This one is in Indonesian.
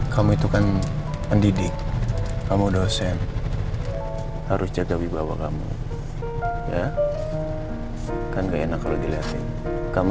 kamu itu kan pendidik kamu dosen harus jaga wibawa kamu ya kan enggak enak kalau dilihatin kamu